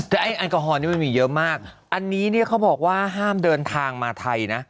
แต่ไอ้แอลกอฮอลนี่มันมีเยอะมากอันนี้เนี่ยเขาบอกว่าห้ามเดินทางมาไทยนะ